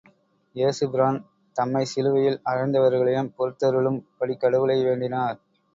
ஏசுபிரான் தம்மைச் சிலுவையில் அறைந்தவர்களையும் பொறுத்தருளும் படிக் கடவுளை வேண்டினார்.